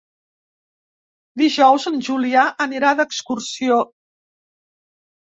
Dijous en Julià anirà d'excursió.